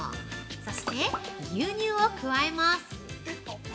そして、牛乳を加えます。